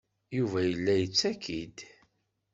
Yuba yella yettaki-d.